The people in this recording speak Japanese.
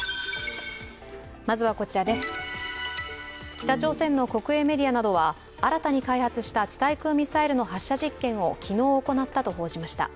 北朝鮮の国営メディアなどは新たに開発した地対空ミサイルの発射実験を昨日行ったと報じました。